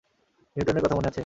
নিউটনের কথা মনে আছে?